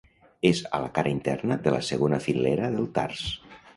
És a la cara interna de la segona filera del tars.